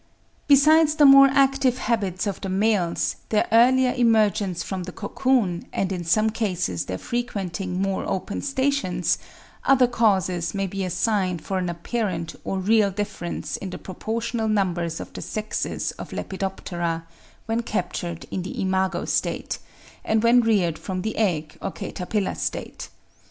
Besides the more active habits of the males, their earlier emergence from the cocoon, and in some cases their frequenting more open stations, other causes may be assigned for an apparent or real difference in the proportional numbers of the sexes of Lepidoptera, when captured in the imago state, and when reared from the egg or caterpillar state.